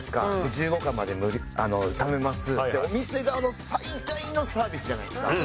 １５貫まで頼めますってお店側の最大のサービスじゃないですか。